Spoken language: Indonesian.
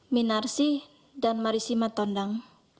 minarsi dan marisima tondang